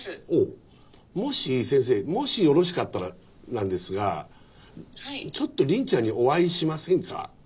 もし先生よろしかったらなんですがちょっと凜ちゃんにお会いしませんか？